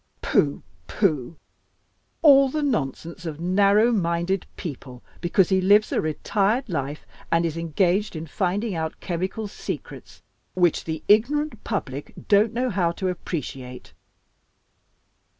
"Pooh! pooh! All the nonsense of narrow minded people, because he lives a retired life, and is engaged in finding out chemical secrets which the ignorant public don't know how to appreciate."